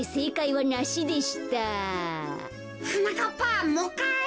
はなかっぱもういっかい。